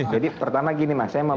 jadi pertama gini mas saya mau meng